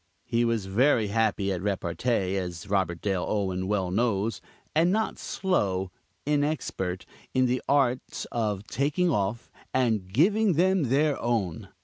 He was very happy at repartee, as Robert Dale Owen well knows; and not "slow" (inexpert) in the arts of "taking off" and "giving them their own."